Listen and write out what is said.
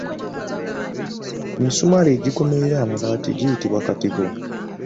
Emisumaali egikomerera amabaati giyitibwa katiko.